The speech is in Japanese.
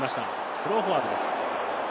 スローフォワードです。